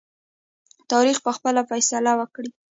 تاریخ به خپل فیصله وکړي.